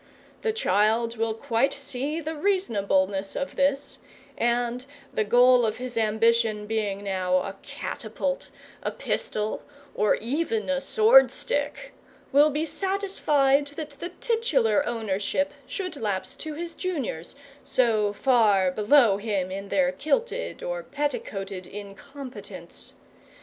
The child will quite see the reasonableness of this, and, the goal of his ambition being now a catapult, a pistol, or even a sword stick, will be satisfied that the titular ownership should lapse to his juniors, so far below him in their kilted or petticoated incompetence.